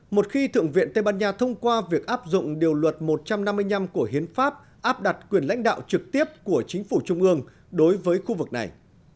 một khi thượng viện tây ban nha thông qua việc áp dụng điều luật một trăm năm mươi năm của hiến pháp áp đặt quyền lãnh đạo trực tiếp của chính phủ trung ương đối với khu vực này